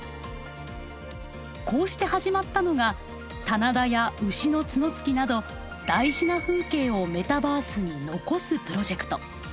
こうして始まったのが棚田や牛の角突きなど大事な風景をメタバースに残すプロジェクト。